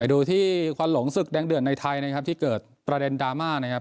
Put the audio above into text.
ดูที่ควันหลงศึกแดงเดือดในไทยนะครับที่เกิดประเด็นดราม่านะครับ